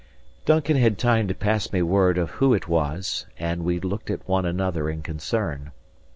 Duncan had time to pass me word of who it was; and we looked at one another in concern.